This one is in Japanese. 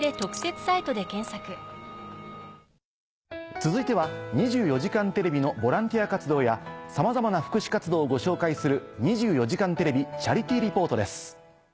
続いては『２４時間テレビ』のボランティア活動やさまざまな福祉活動をご紹介する。